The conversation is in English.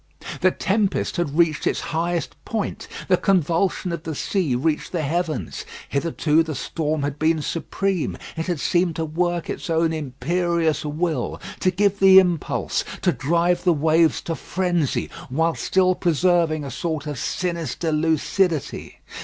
The tempest had reached its highest point. The convulsion of the sea reached the heavens. Hitherto the storm had been supreme, it had seemed to work its own imperious will, to give the impulse, to drive the waves to frenzy, while still preserving a sort of sinister lucidity.